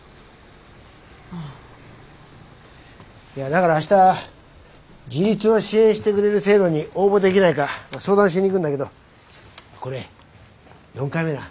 だから明日自立を支援してくれる制度に応募できないか相談しに行くんだけどこれ４回目な。